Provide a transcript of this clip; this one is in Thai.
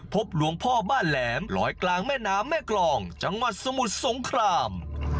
พบหลวงพ่อบ้านแหลมลอยกลางแม่น้ำแม่กรองจังหวัดสมุทรสงคราม